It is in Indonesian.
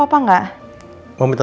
aku tak percaya